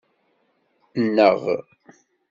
Nneɣ.